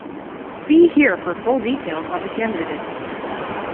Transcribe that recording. See here for full details on the candidate.